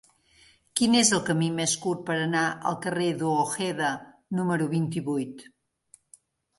Quin és el camí més curt per anar al carrer d'Ojeda número vint-i-vuit?